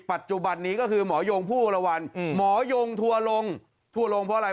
ปัจจุบันนี้ก็คือหมอยงผู้วรวรรณหมอยงทัวร์ลงทัวร์ลงเพราะอะไร